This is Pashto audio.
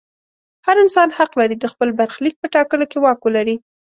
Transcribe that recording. هر انسان حق لري د خپل برخلیک په ټاکلو کې واک ولري.